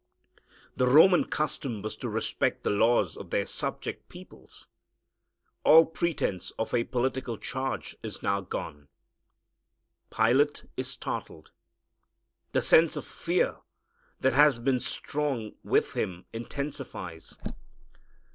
The Roman custom was to respect the laws of their subject peoples. All pretense of a political charge is now gone. Pilate is startled. The sense of fear that has been strong with him intensifies.